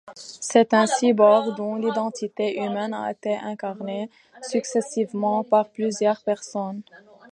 C'est un cyborg dont l'identité humaine a été incarnée successivement par plusieurs personnes.